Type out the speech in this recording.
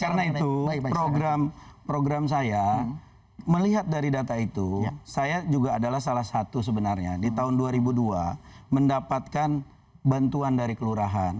karena itu program saya melihat dari data itu saya juga adalah salah satu sebenarnya di tahun dua ribu dua mendapatkan bantuan dari kelurahan